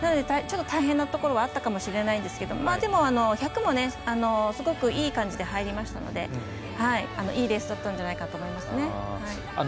大変なところはあったかもしれませんけどでも、１００もすごくいい感じで入りましたのでいいレースだったんじゃないかと思います。